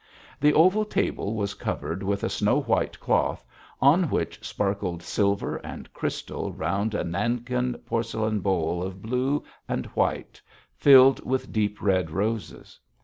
The oval table was covered with a snow white cloth, on which sparkled silver and crystal round a Nankin porcelain bowl of blue and white filled with deep red roses.